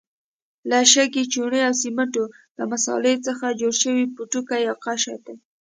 له شګې، چونې او سمنټو له مسالې څخه جوړ پوټکی یا قشر دی.